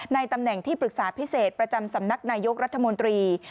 ตำแหน่งที่ปรึกษาพิเศษประจำสำนักนายกรัฐมนตรี